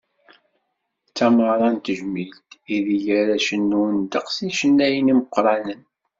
D tameɣra n tejmilt, ideg ara cennun ddeqs n yicennayen imeqqranen.